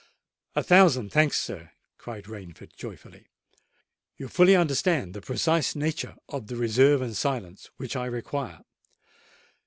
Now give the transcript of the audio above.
"A thousand thanks, sir!" cried Rainford joyfully. "You fully understand the precise nature of the reserve and silence which I require?"